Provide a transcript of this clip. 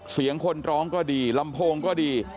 เสียงคนร้องก็ดีลำโพงก็ดี